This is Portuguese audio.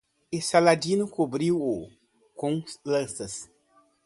E Saladino cobriu-o com lanças!